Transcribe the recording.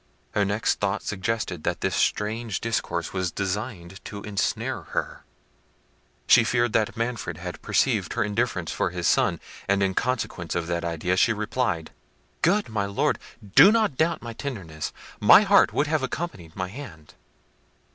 Her next thought suggested that this strange discourse was designed to ensnare her: she feared that Manfred had perceived her indifference for his son: and in consequence of that idea she replied— "Good my Lord, do not doubt my tenderness: my heart would have accompanied my hand.